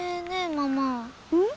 ママうん？